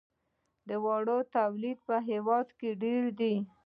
د وړیو تولید په هیواد کې ډیر دی